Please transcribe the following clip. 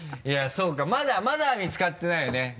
いやそうかまだ見つかってないよね。